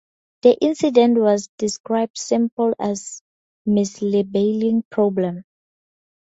The incident was described simply as a mislabeling problem.